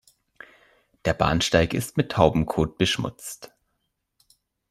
Der Bahnsteig ist mit Taubenkot beschmutzt.